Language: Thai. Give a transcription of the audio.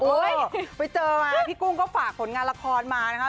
ไปเจอมาพี่กุ้งก็ฝากผลงานละครมานะคะ